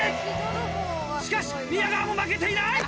しかし宮川も負けていない！